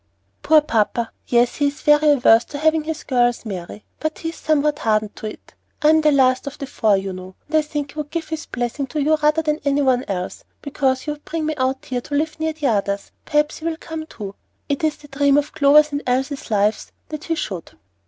"Poor papa! Yes, he is very averse to having his girls marry, but he's somewhat hardened to it. I'm the last of the four, you know, and I think he would give his blessing to you rather than any one else, because you would bring me out here to live near the others. Perhaps he will come too. It is the dream of Clover's and Elsie's lives that he should."